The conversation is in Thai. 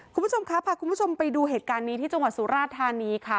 คุณผู้ชมครับพาคุณผู้ชมไปดูเหตุการณ์นี้ที่จังหวัดสุราธานีค่ะ